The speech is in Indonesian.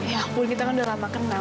ya pun kita kan udah lama kenal